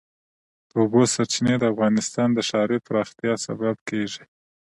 د اوبو سرچینې د افغانستان د ښاري پراختیا سبب کېږي.